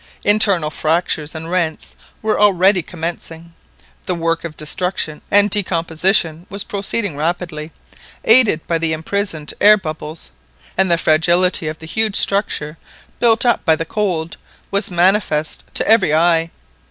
Internal fractures and rents were already commencing, the work of destruction and decomposition was proceeding rapidly, aided by the imprisoned air bubbles; and the fragility of the huge structure, built up by the cold, was manifest to every eye.